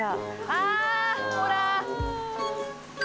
あほら！